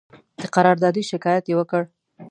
د قراردادي شکایت یې وکړ.